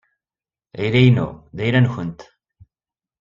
Ayla-inu d ayla-nwent.